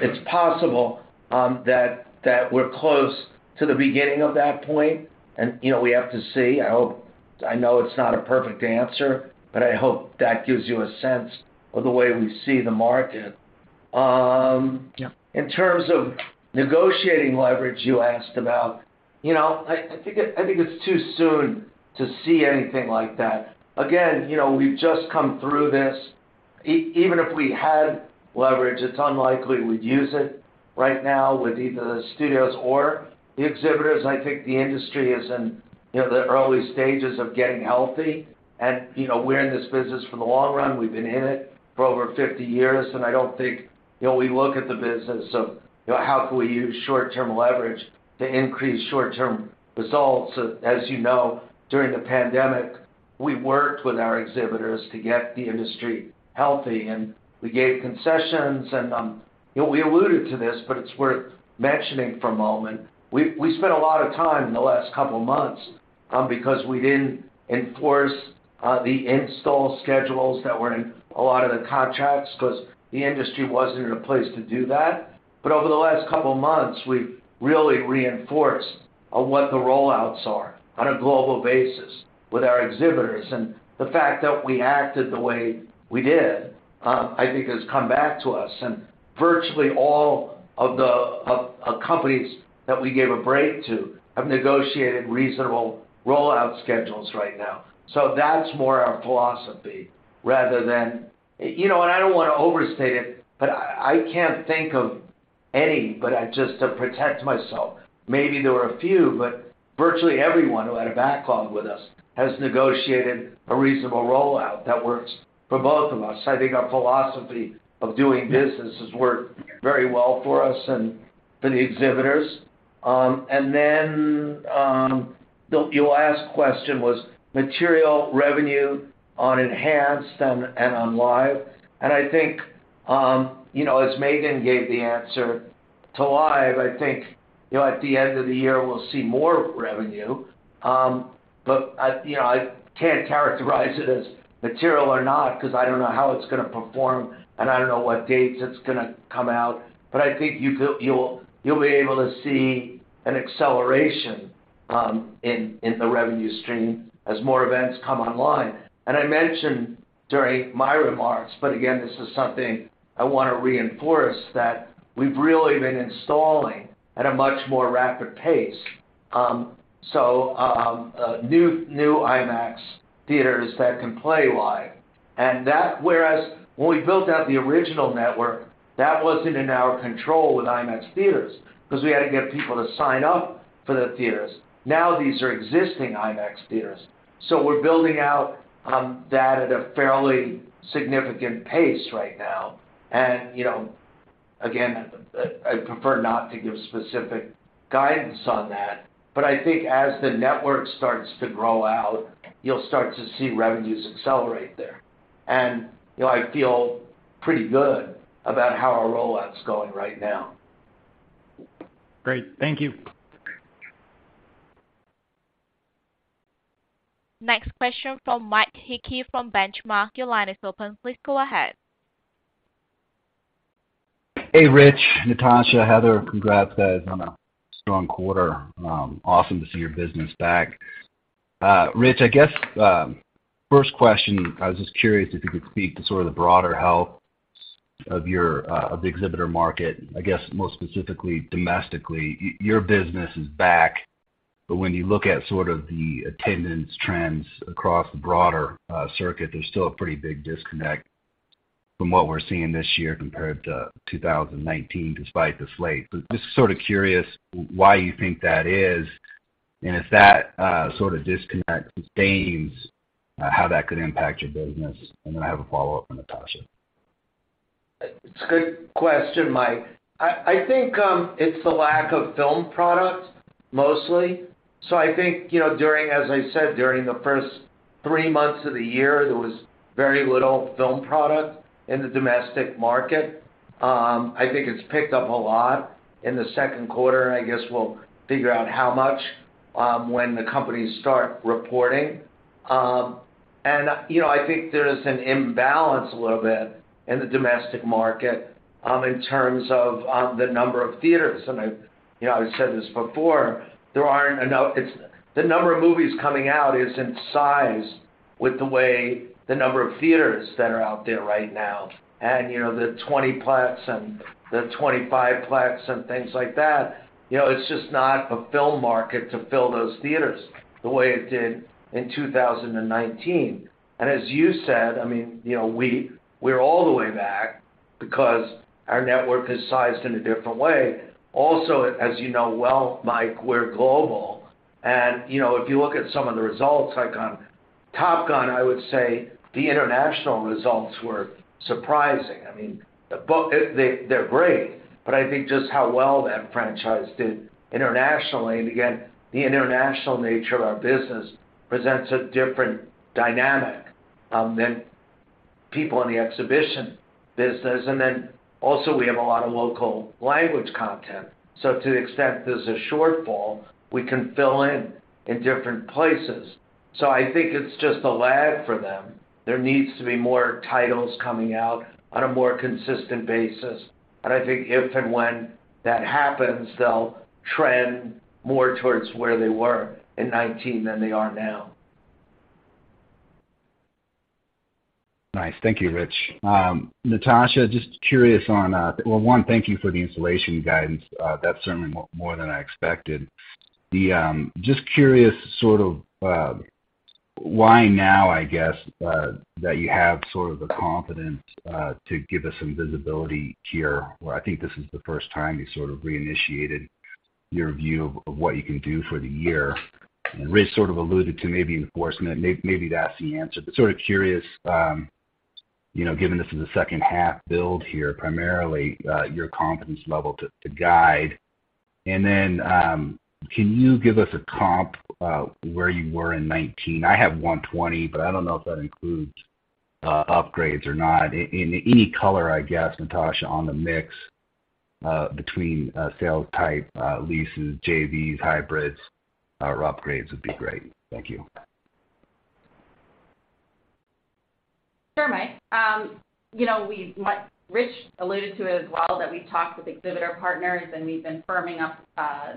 It's possible that we're close to the beginning of that point and, you know, we have to see. I hope. I know it's not a perfect answer, but I hope that gives you a sense of the way we see the market. Yeah. In terms of negotiating leverage you asked about. You know, I think it's too soon to see anything like that. Again, you know, we've just come through this. Even if we had leverage, it's unlikely we'd use it right now with either the studios or the exhibitors. I think the industry is in, you know, the early stages of getting healthy. You know, we're in this business for the long run. We've been in it for over 50 years, and I don't think, you know, we look at the business of, you know, how can we use short-term leverage to increase short-term results. As you know, during the pandemic, we worked with our exhibitors to get the industry healthy, and we gave concessions and, you know, we alluded to this, but it's worth mentioning for a moment. We spent a lot of time in the last couple of months because we didn't enforce the install schedules that were in a lot of the contracts because the industry wasn't in a place to do that. Over the last couple of months, we've really reinforced on what the rollouts are on a global basis with our exhibitors. The fact that we acted the way we did, I think has come back to us. Virtually all of the companies that we gave a break to have negotiated reasonable rollout schedules right now. That's more our philosophy rather than. You know, I don't wanna overstate it, but I can't think of any, but just to protect myself, maybe there were a few, but virtually everyone who had a backlog with us has negotiated a reasonable rollout that works for both of us. I think our philosophy of doing business has worked very well for us and for the exhibitors. Your last question was material revenue on enhanced and on live. I think, you know, as Megan gave the answer to live, I think, you know, at the end of the year, we'll see more revenue. You know, I can't characterize it as material or not because I don't know how it's gonna perform, and I don't know what dates it's gonna come out. I think you'll be able to see an acceleration in the revenue stream as more events come online. I mentioned during my remarks, but again, this is something I wanna reinforce, that we've really been installing at a much more rapid pace new IMAX theaters that can play live. Whereas when we built out the original network, that wasn't in our control with IMAX theaters because we had to get people to sign up for the theaters. Now these are existing IMAX theaters. We're building out that at a fairly significant pace right now. You know, again, I prefer not to give specific guidance on that, but I think as the network starts to grow out, you'll start to see revenues accelerate there. You know, I feel pretty good about how our rollout's going right now. Great. Thank you. Next question from Mike Hickey from Benchmark. Your line is open. Please go ahead. Hey, Rich, Natasha, Heather. Congrats guys on a strong quarter. Awesome to see your business back. Rich, I guess, first question, I was just curious if you could speak to sort of the broader health of the exhibitor market. I guess more specifically domestically, your business is back, but when you look at sort of the attendance trends across the broader circuit, there's still a pretty big disconnect from what we're seeing this year compared to 2019 despite the slate. Just sort of curious why you think that is, and if that sort of disconnect sustains, how that could impact your business. Then I have a follow-up for Natasha. It's a good question, Mike. I think it's the lack of film products mostly. I think, you know, during, as I said, during the first three months of the year, there was very little film product in the domestic market. I think it's picked up a lot in the second quarter, and I guess we'll figure out how much when the companies start reporting. You know, I think there's an imbalance a little bit in the domestic market in terms of the number of theaters. I've said this before, there aren't enough. The number of movies coming out isn't sized with the way the number of theaters that are out there right now. You know, the 20-plex and the 25-plex and things like that, you know, it's just not a film market to fill those theaters the way it did in 2019. As you said, I mean, you know, we're all the way back because our network is sized in a different way. Also, as you know well, Mike, we're global. You know, if you look at some of the results, like on Top Gun, I would say the international results were surprising. I mean, they're great, but I think just how well that franchise did internationally. Again, the international nature of our business presents a different dynamic than people in the exhibition business. Then also we have a lot of local language content. So, to the extent there's a shortfall, we can fill in in different places. I think it's just a lag for them. There needs to be more titles coming out on a more consistent basis. I think if and when that happens, they'll trend more towards where they were in 2019 than they are now. Nice. Thank you, Rich. Natasha, just curious on. Well, one, thank you for the installation guidance. That's certainly more than I expected. Just curious sort of why now, I guess, that you have sort of the confidence to give us some visibility here, where I think this is the first time you sort of reinitiated your view of what you can do for the year. Rich sort of alluded to maybe enforcement, maybe that's the answer. Sort of curious, you know, given this is a second half build here, primarily, your confidence level to guide. Then, can you give us a comp where you were in 2019? I have 120, but I don't know if that includes upgrades or not. Any color, I guess, Natasha, on the mix between sales-type leases, JVs, hybrids or upgrades would be great. Thank you. Sure, Mike. Rich alluded to it as well that we talked with exhibitor partners, and we've been firming up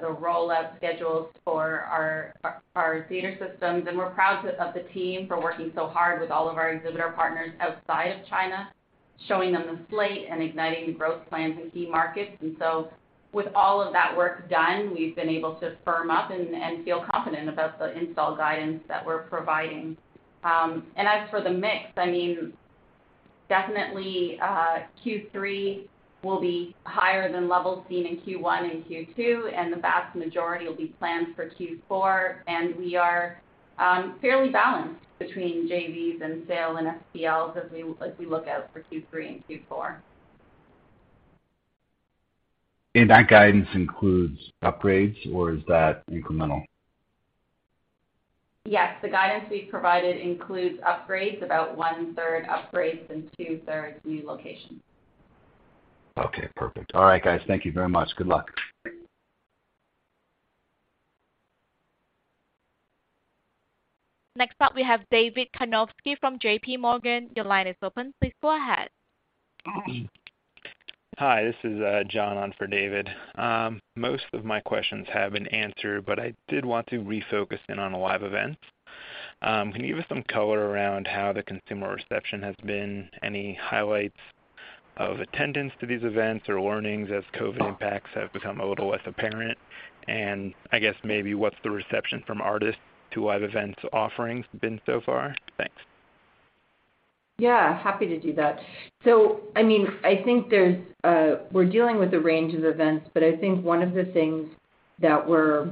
the rollout schedules for our theater systems. We're proud of the team for working so hard with all of our exhibitor partners outside of China, showing them the slate and igniting growth plans in key markets. With all of that work done, we've been able to firm up and feel confident about the install guidance that we're providing. As for the mix, definitely Q3 will be higher than levels seen in Q1 and Q2, and the vast majority will be planned for Q4. We are fairly balanced between JVs and sales and FPLs as we look out for Q3 and Q4. That guidance includes upgrades, or is that incremental? Yes. The guidance we've provided includes upgrades, about one-third upgrades and two-thirds new locations. Okay. Perfect. All right, guys. Thank you very much. Good luck. Thank you. Next up, we have David Karnovsky from J.P. Morgan. Your line is open. Please go ahead. Hi, this is John on for David. Most of my questions have been answered, but I did want to refocus in on live events. Can you give us some color around how the consumer reception has been? Any highlights of attendance to these events or learnings as COVID impacts have become a little less apparent? I guess maybe what's the reception from artists to live events offerings been so far? Thanks. Yeah, happy to do that. I mean, I think we're dealing with a range of events, but I think one of the things that we're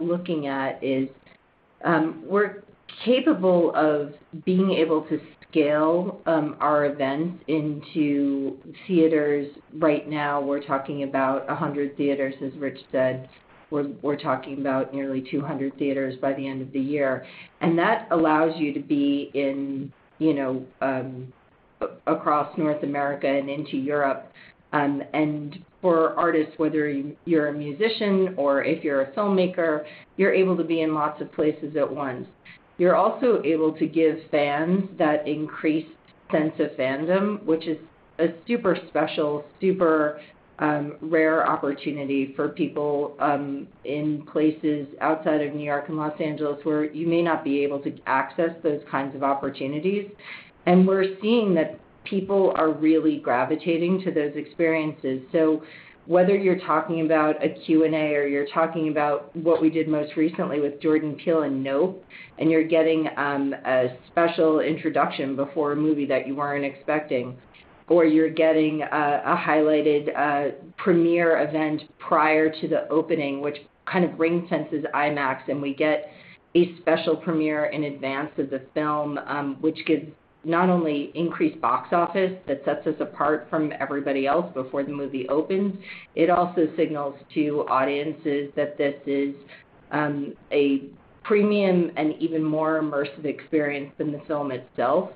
looking at is we're capable of being able to scale our events into theaters. Right now, we're talking about 100 theaters, as Rich said. We're talking about nearly 200 theaters by the end of the year. That allows you to be in, you know, Across North America and into Europe. For artists, whether you're a musician or if you're a filmmaker, you're able to be in lots of places at once. You're also able to give fans that increased sense of fandom, which is a super special, rare opportunity for people in places outside of New York and Los Angeles, where you may not be able to access those kinds of opportunities. We're seeing that people are really gravitating to those experiences. Whether you're talking about a Q&A or you're talking about what we did most recently with Jordan Peele in Nope, and you're getting a special introduction before a movie that you weren't expecting, or you're getting a highlighted premiere event prior to the opening, which kind of ring-fences IMAX, and we get a special premiere in advance of the film, which gives not only increased box office that sets us apart from everybody else before the movie opens, it also signals to audiences that this is a premium and even more immersive experience than the film itself.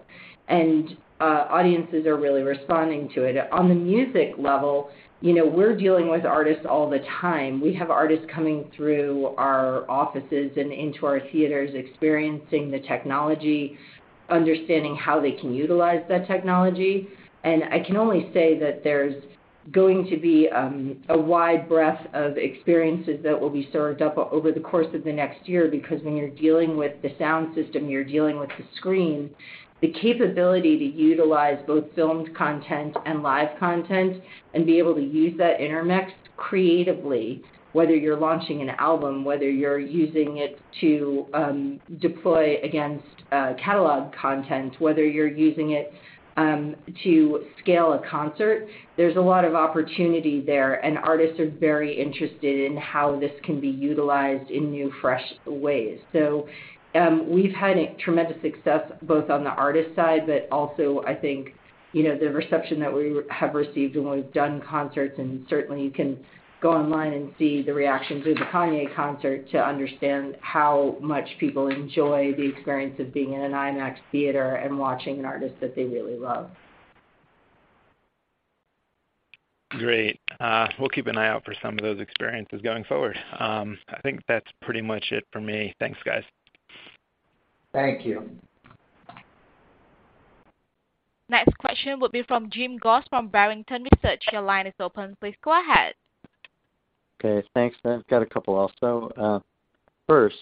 Audiences are really responding to it. On the music level, you know, we're dealing with artists all the time. We have artists coming through our offices and into our theaters, experiencing the technology, understanding how they can utilize that technology. I can only say that there's going to be a wide breadth of experiences that will be served up over the course of the next year. Because when you're dealing with the sound system, you're dealing with the screen, the capability to utilize both filmed content and live content and be able to use that intermixed creatively. Whether you're launching an album, whether you're using it to deploy against catalog content, whether you're using it to scale a concert, there's a lot of opportunity there, and artists are very interested in how this can be utilized in new, fresh ways. We've had a tremendous success both on the artist side, but also I think, you know, the reception that we have received when we've done concerts, and certainly you can go online and see the reaction to the Kanye concert to understand how much people enjoy the experience of being in an IMAX theater and watching an artist that they really love. Great. We'll keep an eye out for some of those experiences going forward. I think that's pretty much it for me. Thanks, guys. Thank you. Next question will be from Jim Goss from Barrington Research. Your line is open. Please go ahead. Okay, thanks. I've got a couple also. First,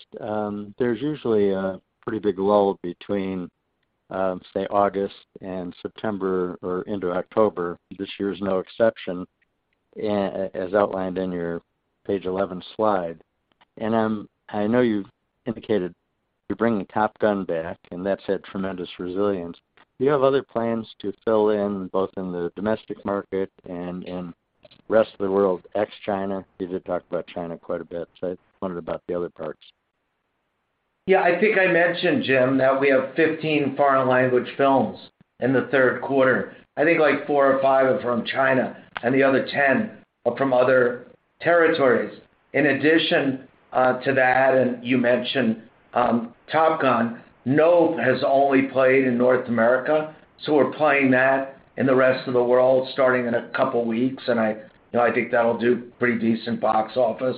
there's usually a pretty big lull between, say, August and September or into October. This year is no exception. As outlined in your page 11 slide. I know you've indicated you're bringing Top Gun back, and that's had tremendous resilience. Do you have other plans to fill in, both in the domestic market and in rest of the world, ex-China? You did talk about China quite a bit, so I wondered about the other parts. Yeah, I think I mentioned, Jim, that we have 15 foreign language films in the third quarter. I think like 4 or 5 are from China and the other 10 are from other territories. In addition to that, and you mentioned Top Gun, Nope has only played in North America, so we're playing that in the rest of the world starting in a couple weeks. I, you know, I think that'll do pretty decent box office.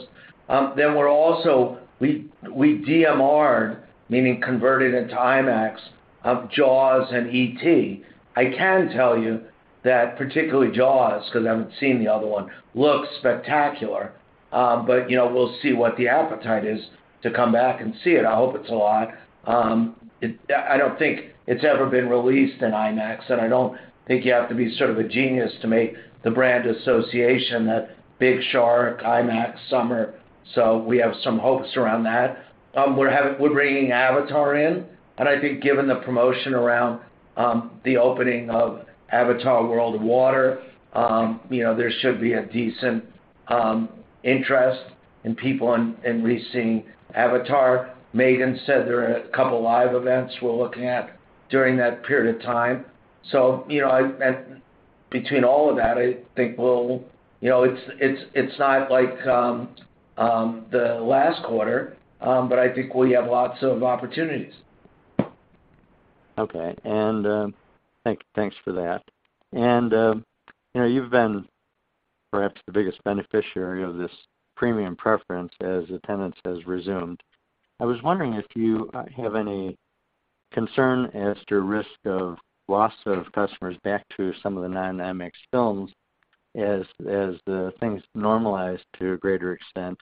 Then we DMR'd, meaning converted into IMAX, Jaws and E.T. I can tell you that particularly Jaws, because I haven't seen the other one, looks spectacular. But, you know, we'll see what the appetite is to come back and see it. I hope it's a lot. I don't think it's ever been released in IMAX, and I don't think you have to be sort of a genius to make the brand association that big shark, IMAX, summer. So we have some hopes around that. We're bringing Avatar in, and I think given the promotion around the opening of Avatar: The Way of Water, you know, there should be a decent interest in people in re-seeing Avatar. Megan said there are a couple live events we're looking at during that period of time. So, you know, and between all of that, I think we'll. You know, it's not like the last quarter, but I think we have lots of opportunities. Okay. Thanks for that. You know, you've been perhaps the biggest beneficiary of this premium preference as attendance has resumed. I was wondering if you have any concern as to risk of loss of customers back to some of the non-IMAX films as the things normalize to a greater extent,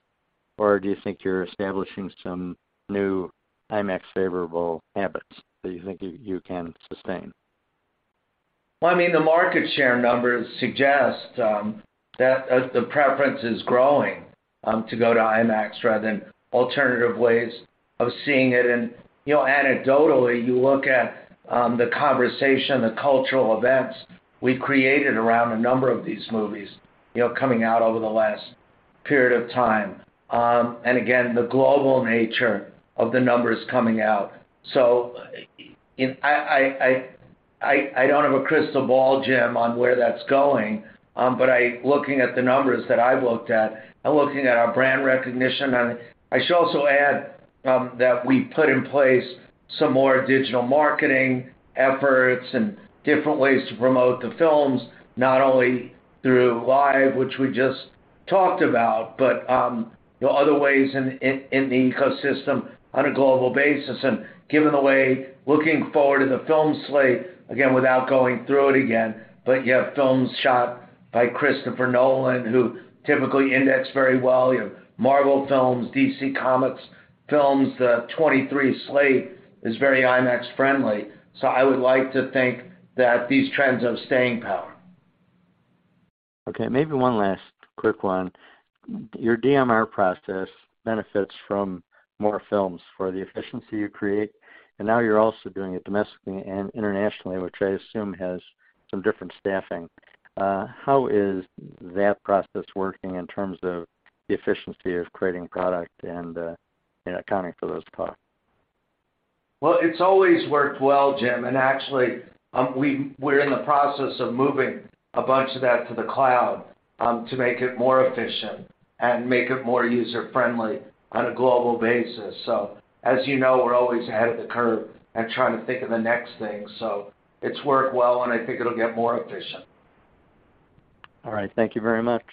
or do you think you're establishing some new IMAX favorable habits that you think you can sustain? Well, I mean, the market share numbers suggest that the preference is growing to go to IMAX rather than alternative ways of seeing it. You know, anecdotally, you look at the conversation, the cultural events we've created around a number of these movies, you know, coming out over the last period of time, and again, the global nature of the numbers coming out. I don't have a crystal ball, Jim, on where that's going, but looking at the numbers that I've looked at and looking at our brand recognition. I should also add that we put in place some more digital marketing efforts and different ways to promote the films, not only through live, which we just talked about, but other ways in the ecosystem on a global basis. Given the way looking forward in the film slate, again, without going through it again, but you have films shot by Christopher Nolan, who typically index very well. You have Marvel films, DC Comics films. The 2023 slate is very IMAX friendly. I would like to think that these trends have staying power. Okay, maybe one last quick one. Your DMR process benefits from more films for the efficiency you create, and now you're also doing it domestically and internationally, which I assume has some different staffing. How is that process working in terms of the efficiency of creating product and accounting for those products? Well, it's always worked well, Jim, and actually, we're in the process of moving a bunch of that to the cloud, to make it more efficient and make it more user-friendly on a global basis. As you know, we're always ahead of the curve and trying to think of the next thing. It's worked well, and I think it'll get more efficient. All right. Thank you very much.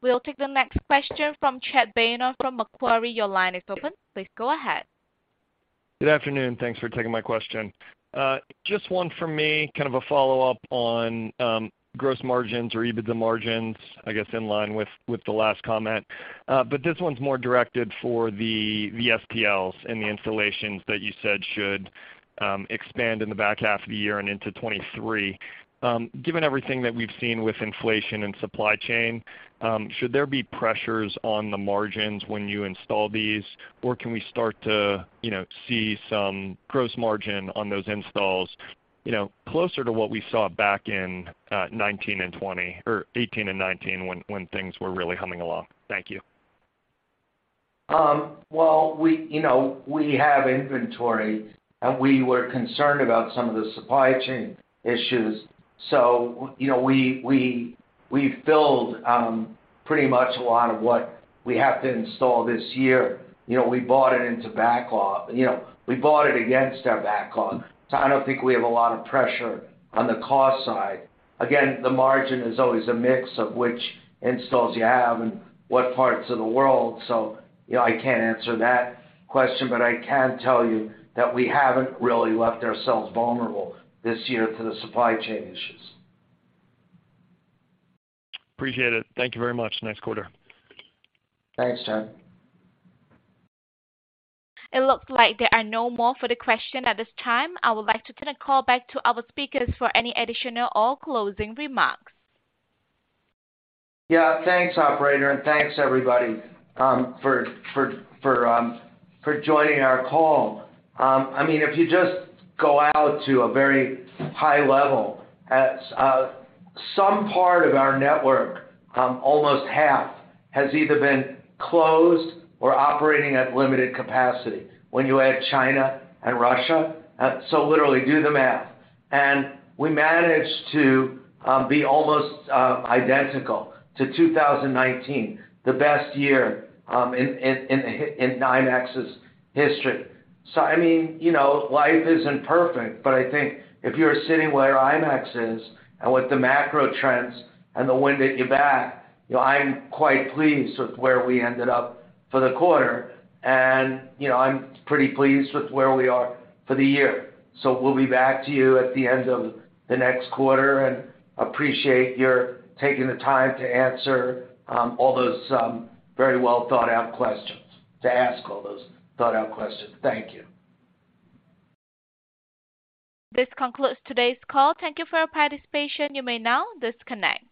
We'll take the next question from Chad Beynon from Macquarie. Your line is open. Please go ahead. Good afternoon. Thanks for taking my question. Just one for me, kind of a follow-up on gross margins or EBITDA margins, I guess in line with the last comment. But this one's more directed for the STLs and the installations that you said should expand in the back half of the year and into 2023. Given everything that we've seen with inflation and supply chain, should there be pressures on the margins when you install these? Or can we start to, you know, see some gross margin on those installs, you know, closer to what we saw back in 2019 and 2020 or 2018 and 2019 when things were really humming along? Thank you. Well, you know, we have inventory, and we were concerned about some of the supply chain issues. You know, we've built pretty much a lot of what we have to install this year. You know, we bought it into backlog. You know, we bought it against our backlog. I don't think we have a lot of pressure on the cost side. Again, the margin is always a mix of which installs you have and what parts of the world. You know, I can't answer that question, but I can tell you that we haven't really left ourselves vulnerable this year to the supply chain issues. Appreciate it. Thank you very much. Next quarter. Thanks, Chad. It looks like there are no further questions at this time. I would like to turn the call back to our speakers for any additional or closing remarks. Yeah. Thanks, operator, and thanks everybody for joining our call. I mean, if you just go out to a very high level at some part of our network, almost half has either been closed or operating at limited capacity when you add China and Russia. Literally do the math. We managed to be almost identical to 2019, the best year in IMAX's history. I mean, you know, life isn't perfect, but I think if you're sitting where IMAX is and with the macro trends and the wind at your back, you know, I'm quite pleased with where we ended up for the quarter. You know, I'm pretty pleased with where we are for the year. We'll be back to you at the end of the next quarter and appreciate your taking the time to answer all those very well thought out questions. Thank you. This concludes today's call. Thank you for your participation. You may now disconnect.